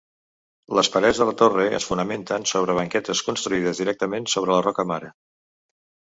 Les parets de la torre es fonamenten sobre banquetes construïdes directament sobre la roca mare.